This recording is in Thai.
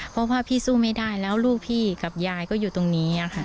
เพราะว่าพี่สู้ไม่ได้แล้วลูกพี่กับยายก็อยู่ตรงนี้ค่ะ